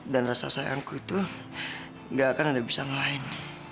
dan rasa sayangku itu gak akan ada bisa ngelain